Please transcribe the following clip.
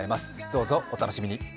どうぞお楽しみに。